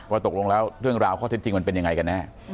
ตกลงแล้วเรื่องราวข้อเท็จจริงมันเป็นยังไงกันแน่